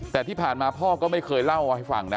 แต่ที่ผ่านมาพ่อก็ไม่เคยเล่าให้ฟังนะ